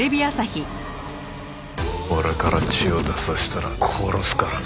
俺から血を出させたら殺すからな。